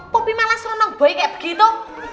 kopi malah seneng bayi kaya begitu